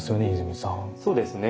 そうですね。